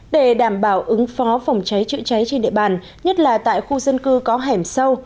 để đảm bảo ứng phó phòng cháy chữa cháy trên địa bàn nhất là tại khu dân cư có hẻm sâu